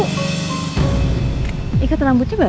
kedua ini kan ini handphone ala mary